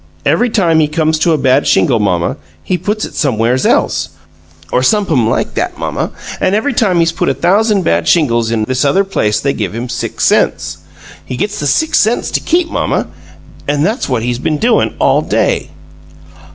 Every time he comes to a bad shingle, mamma, he puts it somewheres else, or somep'm like that, mamma, an' every time he's put a thousand bad shingles in this other place they give him six cents. He gets the six cents to keep, mamma an' that's what he's been doin' all day!"